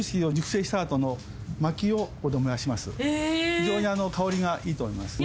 非常に香りがいいと思います。